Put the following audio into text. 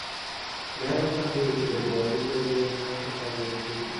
রেহামের সঙ্গে বিচ্ছেদের পর তৃতীয় বিয়ে নিয়েও কথা বলেন তিনি।